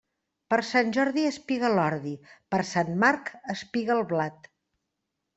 Per Sant Jordi espiga l'ordi; per Sant Marc, espiga el blat.